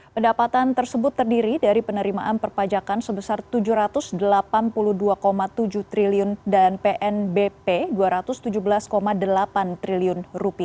pendapatan tersebut terdiri dari penerimaan perpajakan sebesar rp tujuh ratus delapan puluh dua tujuh triliun dan pnbp rp dua ratus tujuh belas delapan triliun